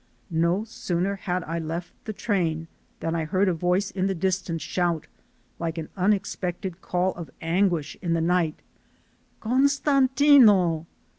No sooner had I left the train than I heard a voice in the distance shout, like an unexpected call of anguish in the night: "Costantino."